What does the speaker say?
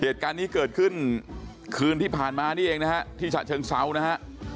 เหตุการณ์นี้เกิดขึ้นคืนที่ผ่านมานี่เองนะฮะที่ฉะเชิงเซานะฮะ